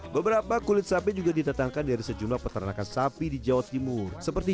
beberapa kulit sapi juga didatangkan dari sejumlah peternakan sapi di jawa timur seperti